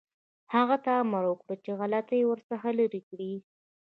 هغه ته یې امر وکړ چې غلطۍ ورڅخه لرې کړي.